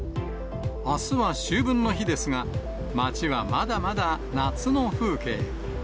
あすは秋分の日ですが、街はまだまだ夏の風景。